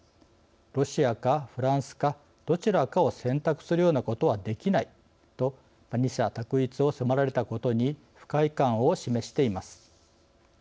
ロシアかフランスか、どちらかを選択するようなことはできない」と、二者択一を迫られたことに不快感を示しています。